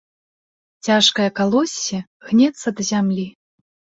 Цяжкае калоссе гнецца да зямлі.